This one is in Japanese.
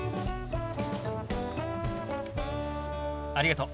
ありがとう。